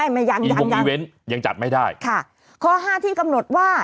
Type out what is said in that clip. ไม่ยังยังค่ะข้อ๕ที่กำหนดว่า